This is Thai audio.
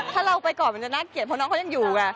ถ้าเราไปก่อนมันจะน่าเกลียดเพราะน้องเขายังอยู่ไง